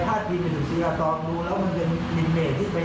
นะครับคือเราต้องให้ความเป็นธรรมกับทุกฝ่าย